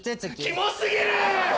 キモ過ぎる！